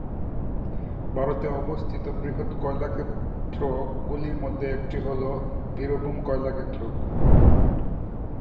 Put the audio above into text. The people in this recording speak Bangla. ভারতে অবস্থিত বৃহৎ কয়লা ক্ষেত্র গুলির মধ্যে একটি হল বীরভূম কয়লা ক্ষেত্র।